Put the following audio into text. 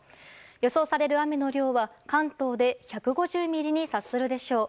予想される雨の量は関東で１５０ミリに達するでしょう。